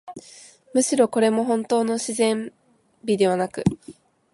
むしろ、これもほんとうの自然美ではなく、